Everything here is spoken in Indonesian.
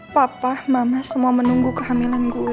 papa mama semua menunggu kehamilan gue